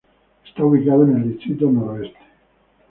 Está ubicado en el distrito Noroeste.